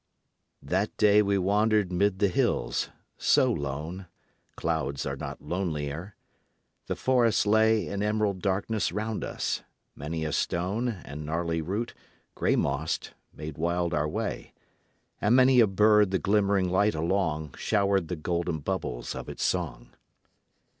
That day we wandered 'mid the hills, so lone Clouds are not lonelier, the forest lay In emerald darkness 'round us. Many a stone And gnarly root, gray mossed, made wild our way; And many a bird the glimmering light along Showered the golden bubbles of its song.